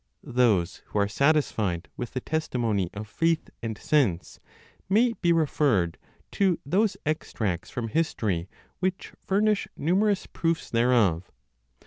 Those who are satisfied with the testimony of faith and sense, may be referred to those extracts from history which furnish numerous proofs thereof.